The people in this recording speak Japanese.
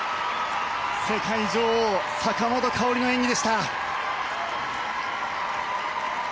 世界女王、坂本花織の演技でした。